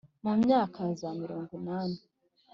mu myaka ya za mirongo inani ,